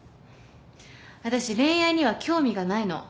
私恋愛には興味がないの。